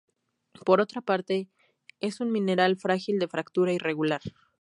Por otra parte, es un mineral frágil de fractura irregular.